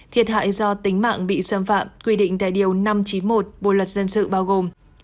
thiệt hại do tính mạng bị xâm phạm quy định tại điều năm trăm chín mươi một bộ luật dân sự bao gồm